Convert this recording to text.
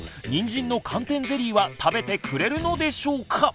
にんじんの寒天ゼリーは食べてくれるのでしょうか？